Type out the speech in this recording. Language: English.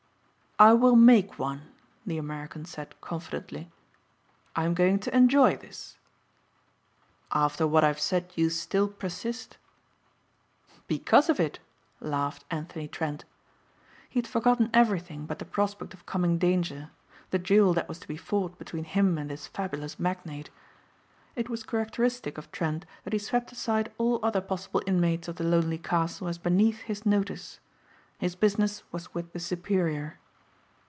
"I will make one," the American said confidently, "I am going to enjoy this." "After what I have said you still persist?" "Because of it," laughed Anthony Trent. He had forgotten everything but the prospect of coming danger, the duel that was to be fought between him and this fabulous magnate. It was characteristic of Trent that he swept aside all other possible inmates of the lonely castle as beneath his notice. His business was with the superior.